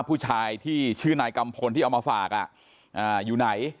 ผู้ชายที่ชื่อนายกัมพลที่เอามาฝากอยู่ไหน